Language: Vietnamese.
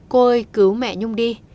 cô ơi cứu mẹ nhung đi